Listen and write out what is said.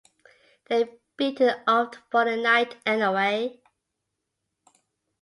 They're beaten off for the night, anyway?